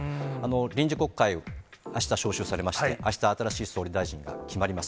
臨時国会、あした召集されまして、あした新しい総理大臣が決まります。